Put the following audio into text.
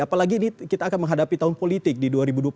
apalagi ini kita akan menghadapi tahun politik di dua ribu dua puluh empat